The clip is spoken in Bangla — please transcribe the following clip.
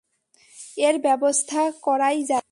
এর ব্যাবস্থা করাই যায়।